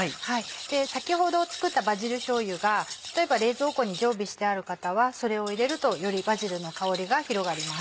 先ほど作ったバジルしょうゆが例えば冷蔵庫に常備してある方はそれを入れるとよりバジルの香りが広がります。